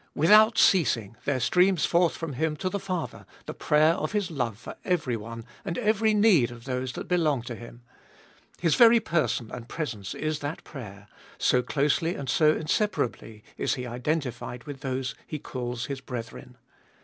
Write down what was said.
Without ceasing there streams forth from Him to the Father the prayer of His love for every one and every need of those that belong to Him ; His very person and presence is that prayer, so closely and so inseparably is He identified with those He calls His brethren.